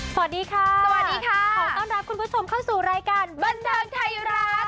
สวัสดีค่ะสวัสดีค่ะขอต้อนรับคุณผู้ชมเข้าสู่รายการบันเทิงไทยรัฐ